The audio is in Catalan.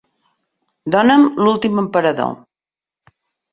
dóna'm L'últim Emperador